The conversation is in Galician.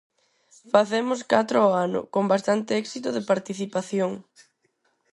Facemos catro ao ano, con bastante éxito de participación.